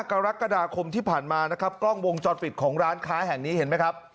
กรกฎาคมที่ผ่านมานะครับกล้องวงจรปิดของร้านค้าแห่งนี้เห็นไหมครับ